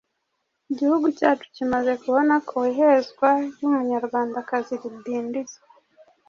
Igihugu cyacu kimaze kubona ko ihezwa ry’Umunyarwandakazi ridindiza